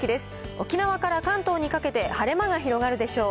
沖縄から関東にかけて、晴れ間が広がるでしょう。